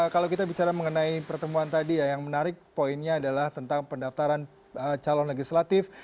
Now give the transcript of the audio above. kalau kita bicara mengenai pertemuan tadi ya yang menarik poinnya adalah tentang pendaftaran calon legislatif